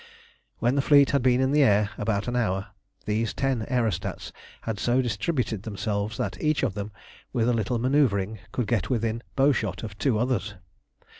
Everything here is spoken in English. When the fleet had been in the air about an hour these ten aerostats had so distributed themselves that each of them, with a little manœuvring, could get within bowshot of two others.